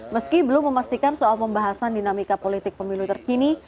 meski belum memastikan soal pembahasan dinamika politik pemilu terkini